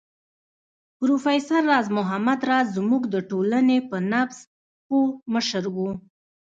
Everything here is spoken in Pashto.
پروفېسر راز محمد راز زموږ د ټولنې په نبض پوه مشر و